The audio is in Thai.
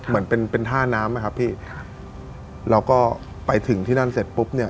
เหมือนเป็นท่าน้ำนะครับพี่เราก็ไปถึงที่นั่นเสร็จปุ๊บ